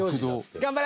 頑張れ！